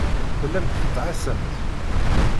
Tellamt tettɛassamt.